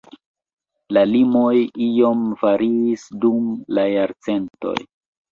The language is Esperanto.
La limoj iom variis dum la jarcentoj.